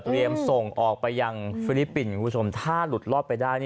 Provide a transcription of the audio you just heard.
ส่งออกไปยังฟิลิปปินส์คุณผู้ชมถ้าหลุดรอดไปได้